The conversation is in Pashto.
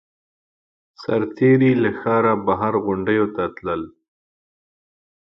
سرتېري له ښاره بهر غونډیو ته تلل